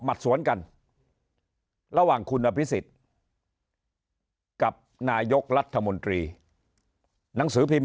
สวนกันระหว่างคุณอภิษฎกับนายกรัฐมนตรีหนังสือพิมพ์